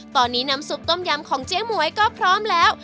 ตอนนี้น้ำซุปต้มยำของเจ๊หมวยก็พร้อมแล้ว